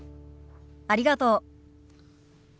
ありがとう。